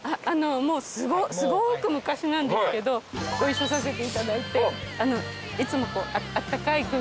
もうすごく昔なんですけどご一緒させていただいていつもあったかい空気に。